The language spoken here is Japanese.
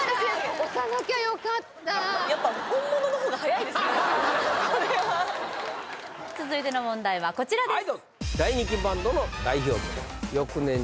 押さなきゃよかったやっぱ続いての問題はこちらです